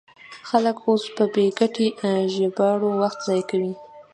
خلک اوس په بې ګټې ژباړو وخت ضایع کوي.